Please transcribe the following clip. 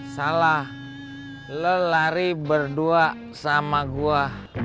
salah lo lari berdua sama gue